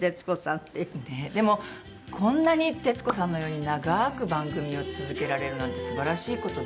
でもこんなに徹子さんのように長く番組を続けられるなんてすばらしい事で。